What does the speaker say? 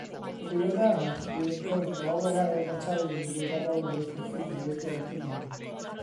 Yn ddiweddarach bu yn Gyrnol ar Ail Fataliwn Gwirfoddolwyr Cyffinwyr De Cymru.